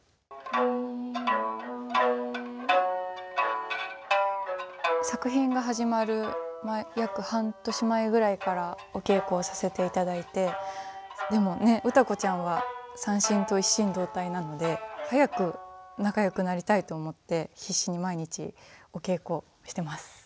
「実れる」作品が始まる約半年前ぐらいからお稽古させていただいてでもね歌子ちゃんは三線と一心同体なので早く仲よくなりたいと思って必死に毎日お稽古してます。